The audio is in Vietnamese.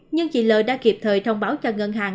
nhưng chị l đã kịp thời thông báo cho ngân hàng